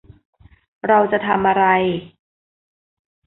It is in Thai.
เราจะทำอะไร